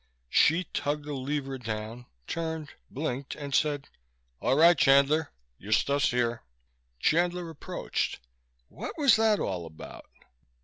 Hsi tugged the lever down, turned, blinked and said, "All right, Chandler. Your stuff's here." Chandler approached. "What was that all about?"